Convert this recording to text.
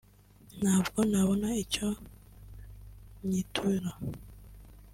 ntabwo nabona icyo nyitura